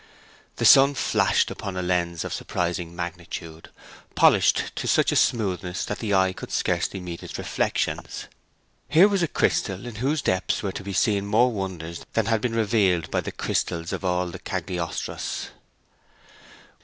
The sun flashed upon a lens of surprising magnitude, polished to such a smoothness that the eye could scarcely meet its reflections. Here was a crystal in whose depths were to be seen more wonders than had been revealed by the crystals of all the Cagliostros.